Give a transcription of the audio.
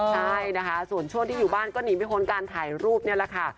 ใช่นะคะส่วนช่วงที่อยู่บ้านก็หนีไม่พ้นการถ่ายรูปนี่แหละค่ะ